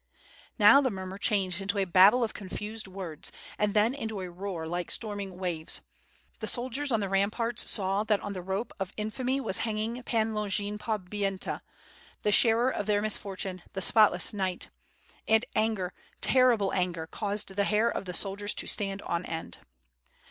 '' Now the murmur changed into a babel of confused words, and then into a roar like storming waves. The soldiers on the ramparts saw that on that rope of infamy was hanging Pan Longin Podbipyenta, the sharer of their misfortune, the spotless knight. And anger, terrible anger, caused the hair of the soldiers to stand on end.